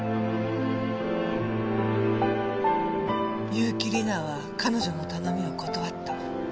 結城里奈は彼女の頼みを断った。